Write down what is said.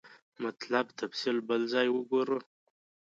مطلب تفصیل بل ځای وګورو.